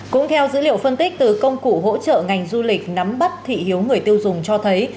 cũng theo dữ liệu phân tích từ công cụ hỗ trợ ngành du lịch nắm bắt thị hiếu người tiêu dùng cho thấy